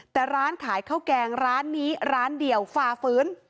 แต่ร้านขายข้าวแกงร้านนี้ร้านเดียวฝ่าฝืน